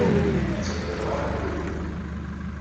Ur ttabdadeɣ ara deg ubrid.